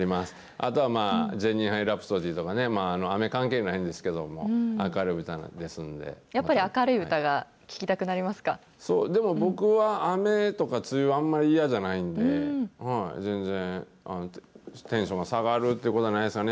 あとは、ジェニーハイラプソディーとかね雨関係ないんですけれども、明るやっぱり明るい歌が聴きたくでも、僕は雨とか梅雨、あんまり嫌じゃないんで、全然、テンション下がるってことはないですね。